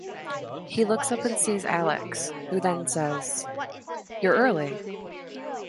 He looks up and sees Alex who then says "You're early".